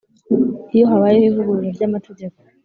Iyo habayeho ivugurura ry amategeko